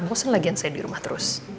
bosan lagi yang saya di rumah terus